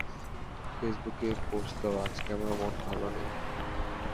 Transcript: Facebook post দাও, আজকে আমার মন ভালো নেই।